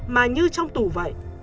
mà như trong tù vậy